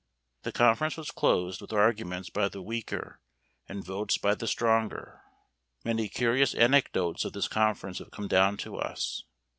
The conference was closed with arguments by the weaker, and votes by the stronger. Many curious anecdotes of this conference have come down to us.